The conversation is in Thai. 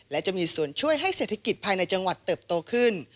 และจะมีส่วนช่วยให้เศรษฐกิจภายในจังหวัดเติบโตขึ้น